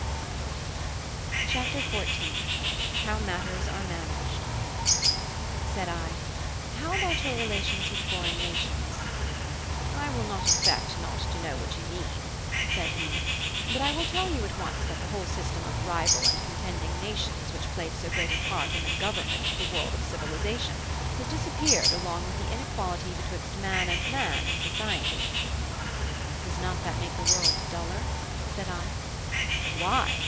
CHAPTER XIV: HOW MATTERS ARE MANAGED Said I: "How about your relations with foreign nations?" "I will not affect not to know what you mean," said he, "but I will tell you at once that the whole system of rival and contending nations which played so great a part in the 'government' of the world of civilisation has disappeared along with the inequality betwixt man and man in society." "Does not that make the world duller?" said I. "Why?"